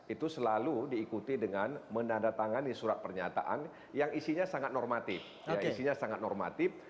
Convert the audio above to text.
itu selalu diikuti dengan menandatangani surat pernyataan yang isinya sangat normatif